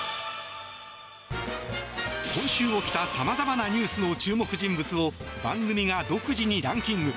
今週起きた様々なニュースの注目人物を番組が独自にランキング。